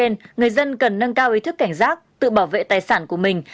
người dân cần nâng cao ý thức cảnh giác tự bảo vệ tài sản của mình